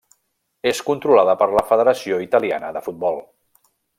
És controlada per la Federació Italiana de Futbol.